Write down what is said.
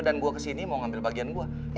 dan gue kesini mau ngambil bagian gue